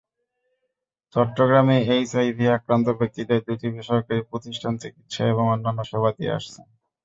চট্টগ্রামে এইচআইভি আক্রান্ত ব্যক্তিদের দুটি বেসরকারি প্রতিষ্ঠান চিকিৎসা এবং অন্যান্য সেবা দিয়ে আসছে।